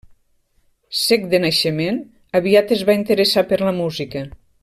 Cec de naixement, aviat es va interessar per la música.